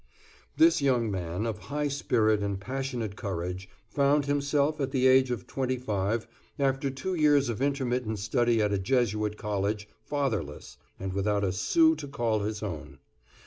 This young man, of high spirit and passionate courage, found himself, at the age of twenty five, after two years of intermittent study at a Jesuit College, fatherless, and without a sou to call his own.